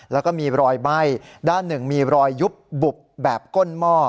แล้วก็มีรอยไหม้ด้านหนึ่งมีรอยยุบบุบแบบก้นหม้อ